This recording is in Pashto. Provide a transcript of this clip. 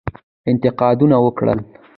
انتقاونه وکړل.